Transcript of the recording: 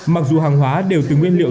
mặc dù hàng hóa đều từ nguyên liệu